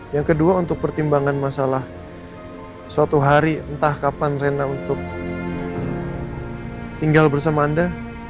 yang kedua untuk pertimbangan masalah suatu hari entah kapan rena untuk tinggal bersama anda